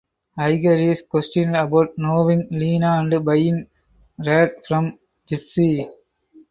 Igor is questioned about knowing Lena and buying "Rad" from Gypsy.